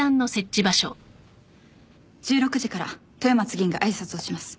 １６時から豊松議員が挨拶をします。